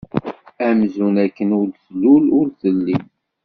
Amzun akken ur d-tlul ur telli.